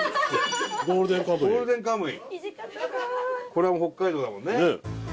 これも北海道だもんね。